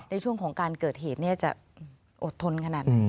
ในช่วงของการเกิดเหตุเนี่ยจะอดทนขนาดนั้น